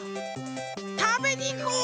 たべにいこう！